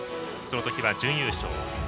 そのときは準優勝。